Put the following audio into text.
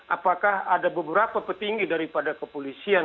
apakah ada beberapa petinggi daripada kepolisian